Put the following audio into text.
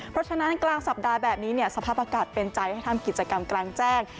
เพราะฉะนั้นกลางสัปดาห์แบบนี้สภาพอากาศเป็นใจให้ทำกิจกรรมกลางแจ้ง